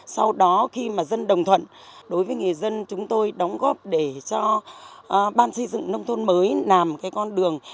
sau đó khi mà dân đồng thuận đối với người dân chúng tôi đóng góp để cho ban xây dựng nông thôn mới làm cái con đường